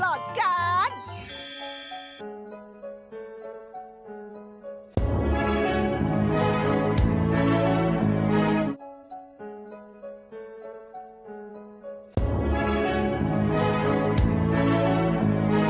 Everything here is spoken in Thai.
อยากรู้จริงทำบุญด้วยอะไรนะคุณค่ะ